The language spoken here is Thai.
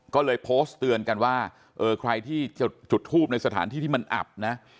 ก็เลยโพสต์เตือนกันว่าเออใครที่จะจุดทูปในสถานที่ที่มันอับนะ